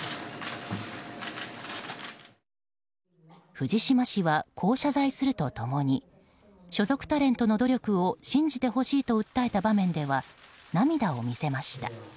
藤島氏はこう謝罪すると共に所属タレントの努力を信じてほしいと訴えた場面では涙を見せました。